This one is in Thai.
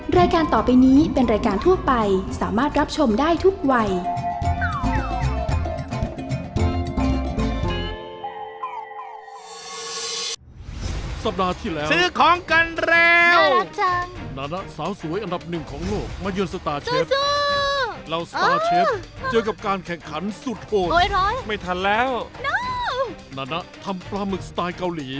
รายการต่อไปนี้เป็นรายการทั่วไปสามารถรับชมได้ทุกวัย